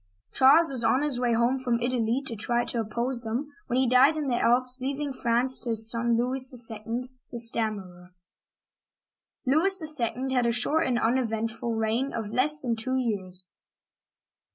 Charles was on his way home from Italy to try to oppose them, when he died in the Alps, leaving France to his son Louis II., "the Stammerer.'* Louis II. had a short and uneventful reign of less than two years.